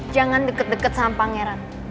jangan deket deket sama pangeran